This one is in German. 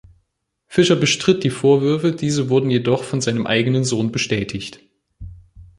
Fischer bestritt die Vorwürfe, diese wurden jedoch von seinem eigenen Sohn bestätigt.